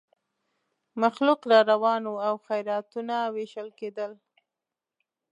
مخلوق را روان وو او خیراتونه وېشل کېدل.